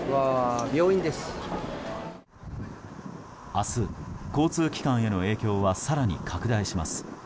明日、交通機関への影響は更に拡大します。